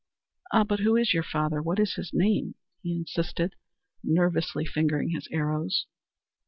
"Ah, but who is your father? What is his name?" he insisted, nervously fingering his arrows.